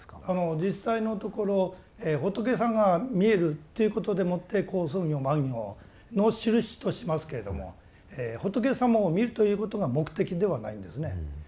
実際のところ仏さんが見えるということでもって好相行満行のしるしとしますけれども仏様を見るということが目的ではないんですね。